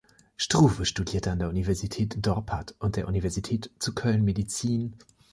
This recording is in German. Struve studierte an der Universität Dorpat und der Universität zu Köln Medizin.